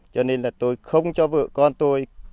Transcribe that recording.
cho nên là tôi không cho vợ con tôi